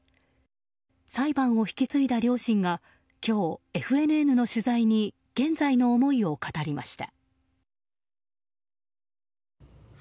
裁判を引き継いだ両親が今日、ＦＮＮの取材に現在の思いを語りました。